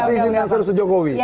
si ijin dan si restu jokowi